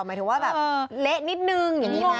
หมายถึงว่าแบบเละนิดนึงอย่างนี้นะ